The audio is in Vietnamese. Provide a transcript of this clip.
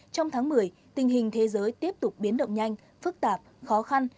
trong tháng một mươi tình hình thế giới tiếp tục biến động nhanh phức tạp khó khăn